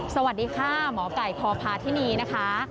สวัสดีค่ะหมอไก่พพาธินีนะคะ